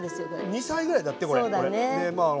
２歳ぐらいだってこれ俺。